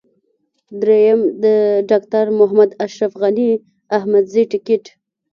درېم: د ډاکټر محمد اشرف غني احمدزي ټکټ.